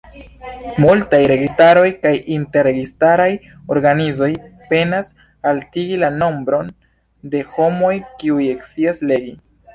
Multaj registaroj kaj inter-registaraj organizoj penas altigi la nombron de homoj kiuj scias legi.